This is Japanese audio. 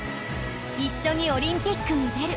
「一緒にオリンピックに出る」